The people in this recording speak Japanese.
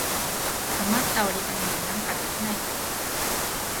あまった折り紙でなんかできないかな。